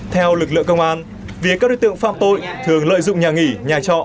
theo lực lượng công an vì các đối tượng phạm tội thường lợi dụng nhà nghỉ nhà trọ